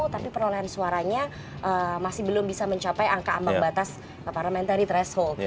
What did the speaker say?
tapi perolehan suaranya masih belum bisa mencapai angka ambang batas parliamentary threshold